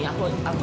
aku itu mama